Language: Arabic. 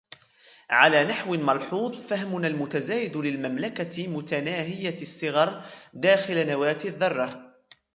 على نحو ملحوظ، فهمنا المتزايد للمملكة متناهية الصغر داخل نواة الذرة